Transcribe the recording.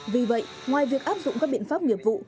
vì vậy ngoài việc áp dụng các biện pháp nghiệp vụ